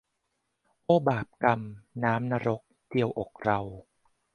โอ้บาปกรรม น้ำนรก เจียวอกเรา